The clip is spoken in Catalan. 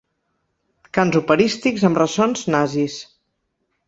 Cants operístics amb ressons nazis.